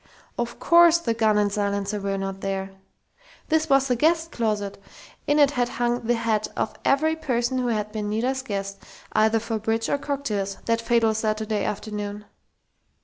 Of course the gun and silencer were not there! This was the guest closet! In it had hung the hat of every person who had been Nita's guest, either for bridge or cocktails, that fatal Saturday afternoon!